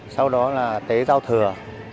sau đó là tết giao thừa